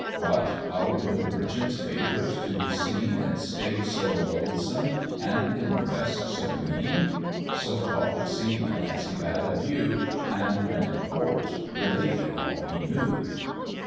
What! our good merchant's favourite to be seen In state so loathsome and in dress so mean?" So thought the seaman as he bade adieu, And, when in port, related all he knew.